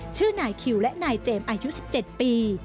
ชื่อนายคิวและนายเจมส์อายุ๑๗ปี